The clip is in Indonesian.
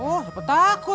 oh apa takut